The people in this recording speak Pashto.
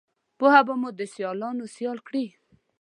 پوهه به مو دسیالانوسیال کړي